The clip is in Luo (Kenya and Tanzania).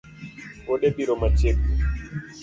Wuode biro machiegni